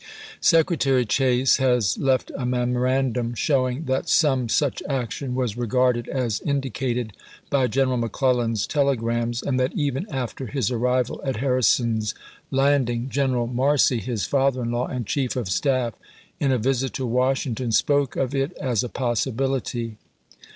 Secretary Chase has left a memorandum showing that some such action was regarded as indicated by General McClellan's telegrams, and that even after his arrival at Har rison's Landing, General Marcy, his father in law and chief of staff, in a visit to Washington, spoke of it as a possibility.